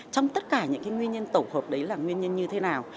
trong tất cả những nguyên nhân tổng hợp đấy là nguyên nhân như thế nào